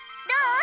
どう？